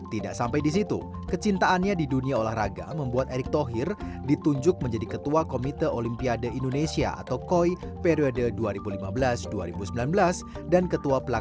tidak sampai di situ kecintaannya di dunia olahraga membuat erick thohir ditunjuk menjadi ketua komite olimpiade indonesia atau koi periode dua ribu lima belas dua ribu sembilan belas dan ketua pelaksana asian games dua ribu delapan belas hingga berhasil membawa indonesia finish di posisi empat besar